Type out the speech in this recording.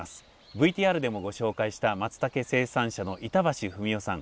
ＶＴＲでもご紹介したマツタケ生産者の板橋文夫さん